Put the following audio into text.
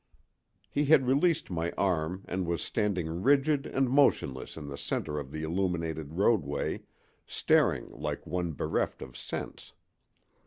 He had released my arm and was standing rigid and motionless in the center of the illuminated roadway, staring like one bereft of sense.